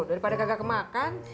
daripada gak kemakan